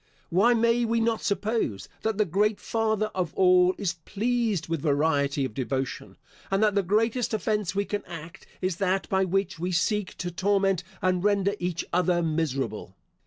Why may we not suppose, that the great Father of all is pleased with variety of devotion; and that the greatest offence we can act, is that by which we seek to torment and render each other miserable?